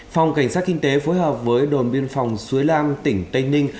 phòng cảnh sát kinh tế phối hợp với đồn biên phòng suối lam tỉnh tây ninh